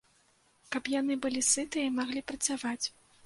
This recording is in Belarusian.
Каб яны былі сытыя і маглі працаваць.